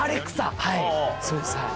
はいそうですはい。